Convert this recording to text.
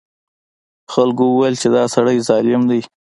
خلکو وویل چې دا سړی ظالم دی.